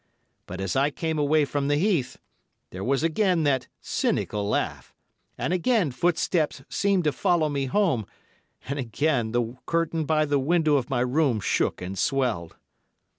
But as I came away from the heath, there was again that cynical laugh, and again footsteps seemed to follow me home, and again the curtain by the window of my room shook and swelled.